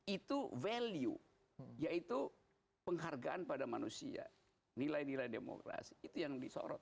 itu value yaitu penghargaan pada manusia nilai nilai demokrasi itu yang disorot